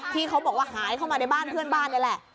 ที่เขาบอกว่าหายเข้ามาในบ้านเพื่อนบ้านนี่แหละ